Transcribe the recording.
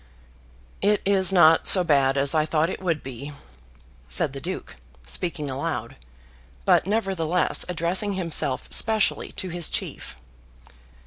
"It is not so bad as I thought it would be," said the Duke, speaking aloud, but nevertheless addressing himself specially to his chief.